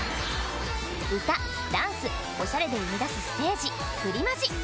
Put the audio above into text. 歌ダンスオシャレで生み出すステージプリマジ。